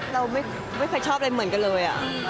เราไม่เคยชอบอะไรเหมือนกันเลย